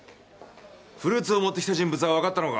フルーツを持ってきた人物はわかったのか？